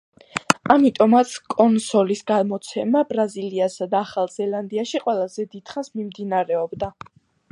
ამიტომაც კონსოლის გამოცემა ბრაზილიასა და ახალ ზელანდიაში ყველაზე დიდ ხანს მიმდინარეობდა.